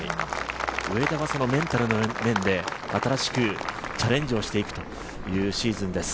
上田はメンタルの面で新しくチャレンジをしていくというシーズンです。